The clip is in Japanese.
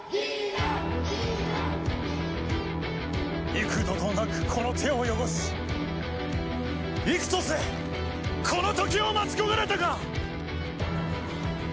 幾度となくこの手を汚し幾年この時を待ち焦がれたか！